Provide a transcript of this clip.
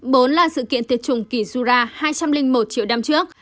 bốn là sự kiện tuyệt chủng kizura hai trăm linh một triệu năm trước